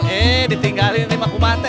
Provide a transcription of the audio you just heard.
hei ditinggalin nih mak umate